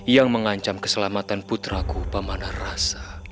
yang mengancam keselamatan putraku pemanah rasa